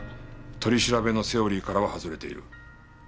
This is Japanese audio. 取り調べのセオリーからははずれている。